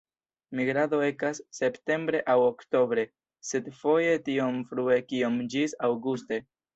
Migrado ekas septembre aŭ oktobre, sed foje tiom frue kiom ĝis aŭguste.